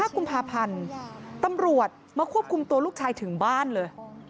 กุมภาพันธ์ตำรวจมาควบคุมตัวลูกชายถึงบ้านเลย